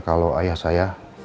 kalau ayah saya